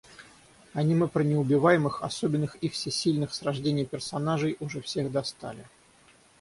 Аниме про неубиваемых, особенных и всесильных с рождения персонажей уже всех достали.